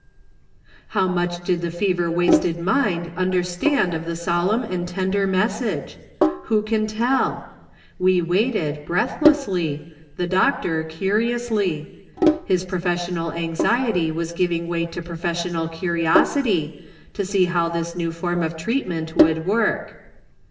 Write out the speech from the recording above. How much did the fever wasted mind understand of the solemn and tender message ? Who can tell ? We waited, breathlessly, the doctor curiously : his professional anxiety was giving way to professional curiosity, to see how this new form of treatment would work.